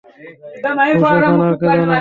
হুশ, এখন আর কেঁদো না।